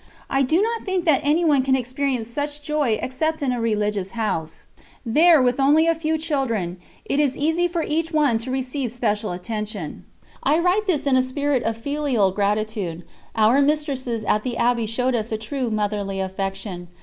I do not think that one can experience such joy except in a religious house; there, with only a few children, it is easy for each one to receive special attention. I write this in a spirit of filial gratitude; our mistresses at the Abbey showed us a true motherly affection.